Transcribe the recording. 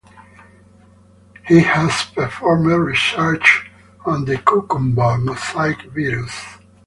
He has performed research on the "cucumber mosaic virus".